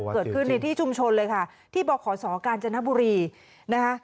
เกิดขึ้นในที่ชุมชนเลยค่ะที่บขศกาญจนบุรีนะคะ